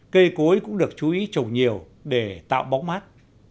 cây cối cũng được chú ý trồng nhiều để tạo bóng mát